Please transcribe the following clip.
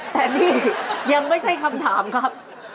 แต่นี่ยังไม่ใช่คำถามครับ